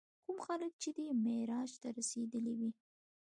کوم خلک چې دې معراج ته رسېدلي وي.